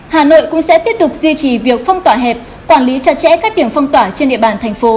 hà nội cũng sẽ tiếp tục duy trì việc phong tỏa hẹp quản lý chặt chẽ các điểm phong tỏa trên địa bàn thành phố